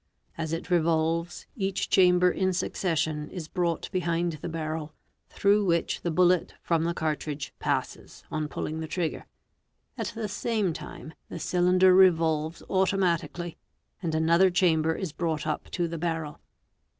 As it revolves, each chamber in succession is brought behind the barrel, through which the bullet from the " cartridge passes on pulling the trigger. At the same time the cylinder revolves automatically, and another chamber is brought up to the barrel.